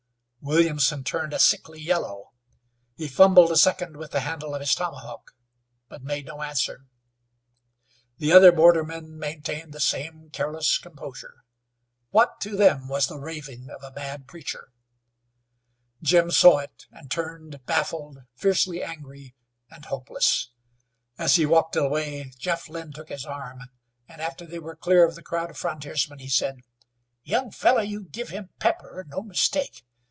Williamson turned a sickly yellow; he fumbled a second with the handle of his tomahawk, but made no answer. The other bordermen maintained the same careless composure. What to them was the raving of a mad preacher? Jim saw it and turned baffled, fiercely angry, and hopeless. As he walked away Jeff Lynn took his arm, and after they were clear of the crowd of frontiersmen he said: "Young feller, you give him pepper, an' no mistake.